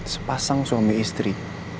sepasang suami istri